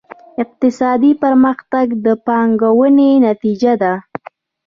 اقتصادي پرمختګ د پانګونې نتیجه ده.